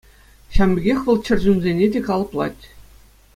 Ҫавӑн пекех вӑл чӗр чунсене те калӑплать.